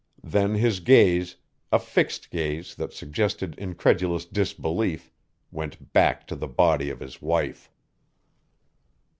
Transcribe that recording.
Then his gaze, a fixed gaze that suggested incredulous disbelief, went back to the body of his wife.